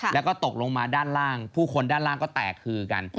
แล้วก็ตกลงมาด้านล่างผู้คนด้านล่างก็แตกคือกัน